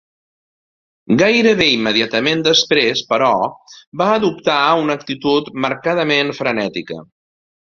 Gairebé immediatament després, però, va adoptar una actitud marcadament frenètica.